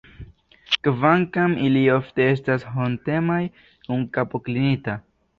Kvankam ili ofte estas hontemaj, kun kapo klinita.